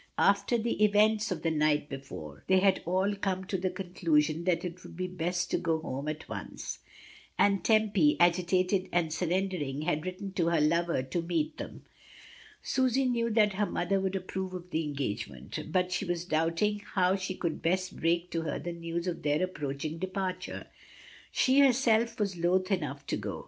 After the events of the night befcHie, they had all come to the conclusion that it would be best to go home at once. And Tempy, agitated and surrendering, had written to her lover to meet them. Susy knew that her mother would approve of the engagement, but she was doubting how she could best break to her the news of their approach ing departure. She herself was loth enough to go.